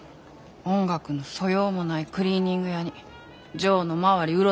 音楽の素養もないクリーニング屋にジョーの周り